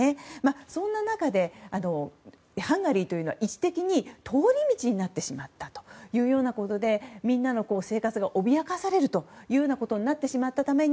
そんな中でハンガリーというのは位置的に通り道になってしまったということでみんなの生活が脅かされることになってしまったために